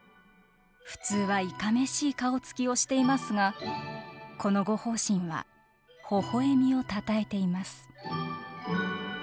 普通はいかめしい顔つきをしていますがこの護法神はほほえみをたたえています。